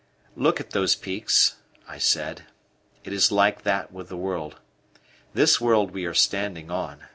"Look at those peaks," I said. "It is like that with the world this world we are standing on.